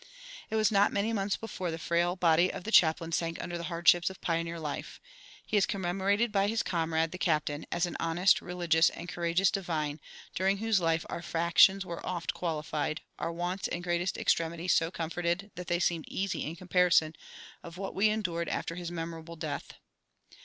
It was not many months before the frail body of the chaplain sank under the hardships of pioneer life; he is commemorated by his comrade, the captain, as "an honest, religious, and courageous divine, during whose life our factions were oft qualified, our wants and greatest extremities so comforted that they seemed easy in comparison of what we endured after his memorable death."